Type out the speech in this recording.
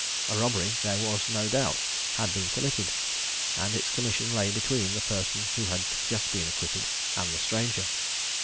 A robbery, there was no doubt, had been committed, and its commission lay between the person who had just been acquitted and the stranger.